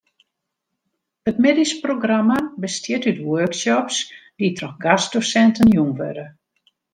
It middeisprogramma bestiet út workshops dy't troch gastdosinten jûn wurde.